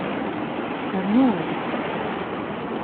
Rnu eḍṣ.